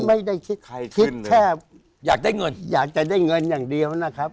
ไม่ได้คิดคิดแค่อยากจะได้เงินอย่างเดียวนะครับ